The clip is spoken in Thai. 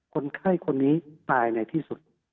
คนไข้คนนี้ตายในที่สุด